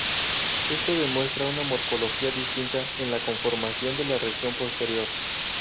Esto demuestra una morfología distinta en la conformación de la región posterior.